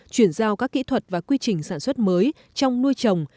chuyển giao các kỹ thuật và quy trình sản xuất mới trong nuôi trồng